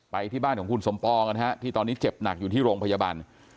ที่บ้านของคุณสมปองนะฮะที่ตอนนี้เจ็บหนักอยู่ที่โรงพยาบาล